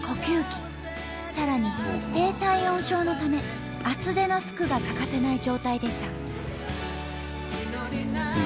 さらに低体温症のため厚手の服が欠かせない状態でした。